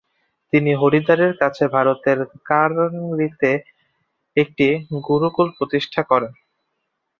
তিনি হরিদ্বারের কাছে ভারতের কাংড়িতে একটি গুরুকুল প্রতিষ্ঠা করেন।